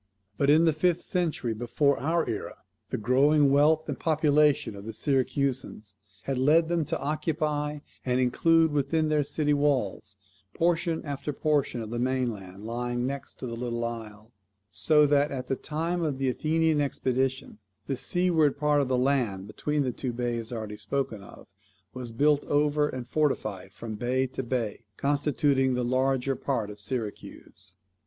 But, in the fifth century before our era, the growing wealth and population of the Syracusans had led them to occupy and include within their city walls portion after portion of the mainland lying next to the little isle; so that at the time of the Athenian expedition the seaward part of the land between the two bays already spoken of was built over, and fortified from bay to bay; constituting the larger part of Syracuse.